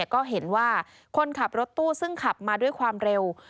ก็เห็นว่าคนขับรถตู้ซึ่งขับมาด้วยความเร็ว